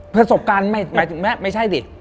ประสบการณ์ไม่ใช่ดิ